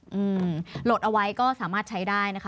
หล่นเอาไว้ก็สามารถใช้ได้นะคะ